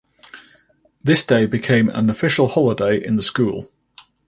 This day became an official holiday in the school.